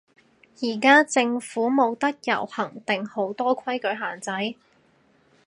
依家香港冇得遊行定好多規矩限制？